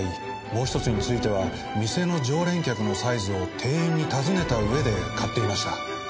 もう１つについては店の常連客のサイズを店員に尋ねた上で買っていました。